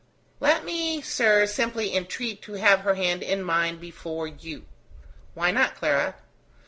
"Let me, sir, simply entreat to have her hand in mine before you." "Why not, Clara?"